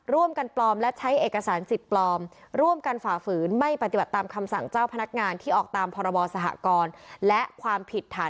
ร่วมกันปลอมและใช้เอกสารสิทธิ์ปลอมร่วมกันฝ่าฝืนไม่ปฏิบัติตามคำสั่งเจ้าพนักงานที่ออกตามพรบสหกรและความผิดฐาน